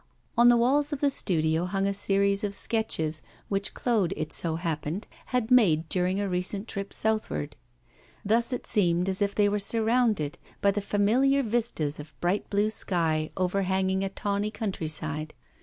On the walls of the studio hung a series of sketches, which Claude, it so happened, had made during a recent trip southward. Thus it seemed as if they were surrounded by the familiar vistas of bright blue sky overhanging a tawny country side.